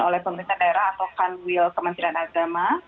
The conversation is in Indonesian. oleh pemerintah daerah atau kanwil kementerian agama